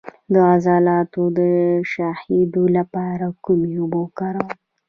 د عضلاتو د شخیدو لپاره کومې اوبه وکاروم؟